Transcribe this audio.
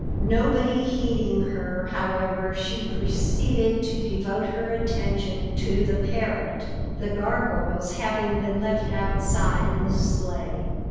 Nobody heeding her, however, she proceeded to devote her attention to the parrot, the gargoyles having been left outside in the sleigh.